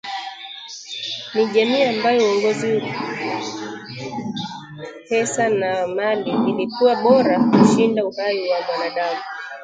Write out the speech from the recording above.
Ni jamii ambayo uongozi, pesa na mali ilikuwa bora kushinda uhai wa mwanadamu